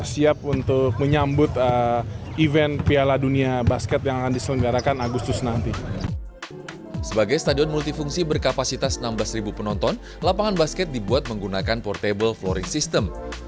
sebagai stadion multifungsi berkapasitas enam belas penonton lapangan basket dibuat menggunakan portable floaring system